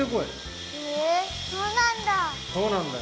へえそうなんだ！